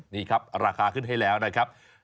นี่ครับราคาขึ้นให้แล้วนะครับ